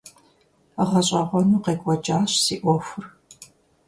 ГъэщӀэгъуэну къекӀуэкӀащ си Ӏуэхур.